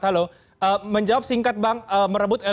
salah luar biasa dalam partai